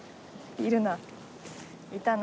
いるな。